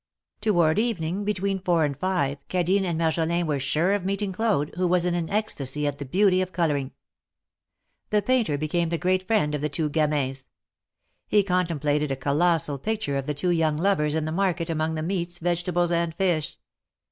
Toward evening, between four and five, Cadine and Marjolin were sure of meeting Claude, who was in an ecstasy at the beauty of coloring. The Painter became the great friend of the two '^gamins." He contemplated a colossal picture of the two young lovers in the market among the meats, vegeta bles and fish.